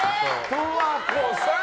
十和子さん！